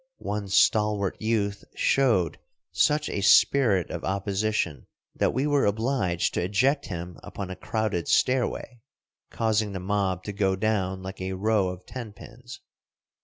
One stalwart youth showed such a spirit of opposition that we were obliged to eject him upon a crowded stairway, causing the mob to go down like a row of tenpins.